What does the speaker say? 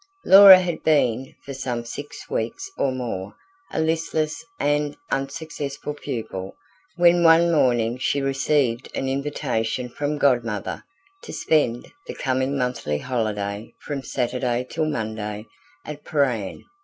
Laura had been, for some six weeks or more, a listless and unsuccessful pupil, when one morning she received an invitation from Godmother to spend the coming monthly holiday from Saturday till Monday at Prahran.